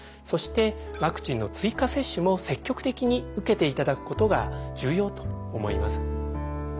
そしてワクチンの追加接種も積極的に受けていただくことが重要と思います。